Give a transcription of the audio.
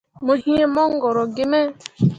Mo yee mongoro gi me.